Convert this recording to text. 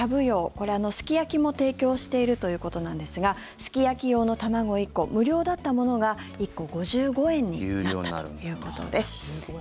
これ、すき焼きも提供しているということなんですがすき焼き用の卵１個無料だったものが１個５５円になったということです。